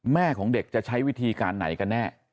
แม่ของเด็กจะใช้วิธีการไหนกันแน่